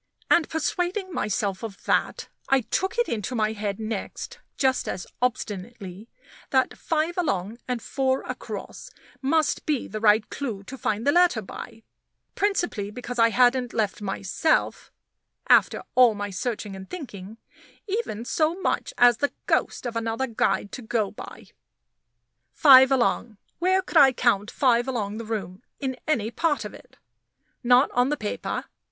And persuading myself of that, I took it into my head next, just as obstinately, that "5 along" and "4 across" must be the right clew to find the letter by principally because I hadn't left myself, after all my searching and thinking, even so much as the ghost of another guide to go by. "Five along" where could I count five along the room, in any part of it? Not on the paper.